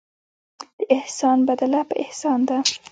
د احسان بدله په احسان ده.